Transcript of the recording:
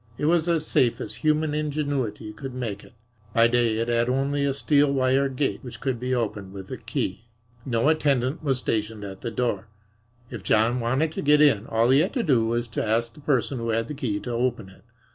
It was as safe as human ingenuity could make it. By day it had only a steel wire gate which could be opened with a key. No attendant was stationed at the door. If John wanted to get in, all he had to do was to ask the person who had the key to open it.